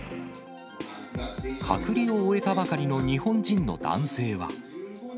隔離を終えたばかりの日本人の男性は。